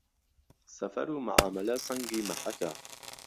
سەفەرو مەعامەلە سەنگی مەحەکە